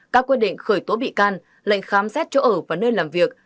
các quyết định khởi tố bị can lệnh khám xét chỗ ở và nơi làm việc